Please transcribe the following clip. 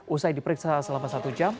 usai diperiksa selama satu jam